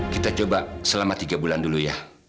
kita coba selama tiga bulan dulu ya